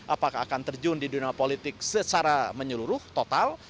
apakah akan terjun di dunia politik secara menyeluruh total